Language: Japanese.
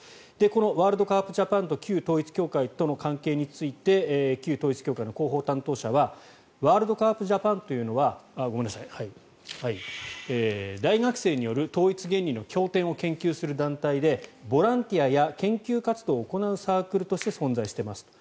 このワールドカープ・ジャパンと旧統一教会の関係について旧統一教会の広報担当者はワールドカープ・ジャパンというのは大学生による統一原理の教典を研究する団体でボランティアや研究活動を行うサークルとして存在していますと。